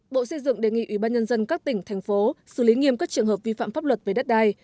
bộ xây dựng đề nghị ủy ban nhân dân các tỉnh thành phố xử lý nghiêm các trường hợp vi phạm pháp luật về đất đai